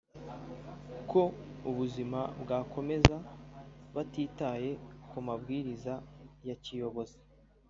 ko ubuzima bwakomeza batitaye ku mabwiriza ya kiyobozi